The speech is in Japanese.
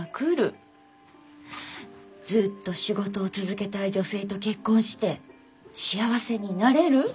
ずっと仕事を続けたい女性と結婚して幸せになれる？